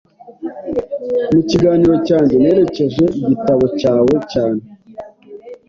Mu kiganiro cyanjye, nerekeje igitabo cyawe cyane.